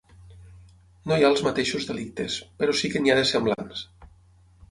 No hi ha els mateixos delictes, però sí que n’hi ha de semblants.